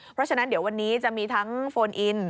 เพราะฉะนั้นเดี๋ยววันนี้จะมีทั้งโฟนอิน